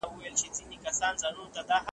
الله تعالی د خپلي خوښي مطابق اشخاص انتخابوي.